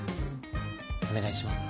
お願いします。